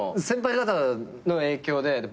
先輩方。の影響で。